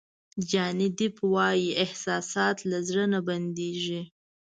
جاني دیپ وایي احساسات له زړه نه بندېږي.